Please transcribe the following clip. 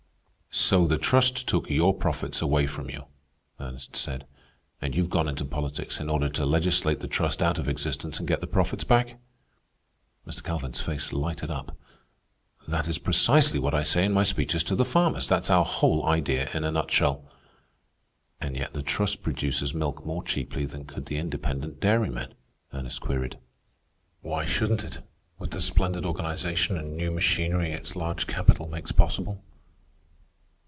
"So the Trust took your profits away from you," Ernest said, "and you've gone into politics in order to legislate the Trust out of existence and get the profits back?" Mr. Calvin's face lighted up. "That is precisely what I say in my speeches to the farmers. That's our whole idea in a nutshell." "And yet the Trust produces milk more cheaply than could the independent dairymen?" Ernest queried. "Why shouldn't it, with the splendid organization and new machinery its large capital makes possible?"